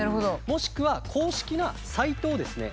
もしくは公式なサイトをですね